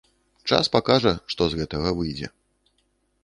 Час пакажа, што з гэтага выйдзе.